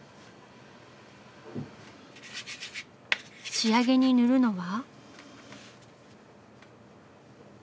仕上げに塗るのは？